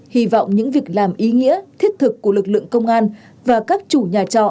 hy vọng những việc làm ý nghĩa thiết thực của lực lượng công an và các chủ nhà trọ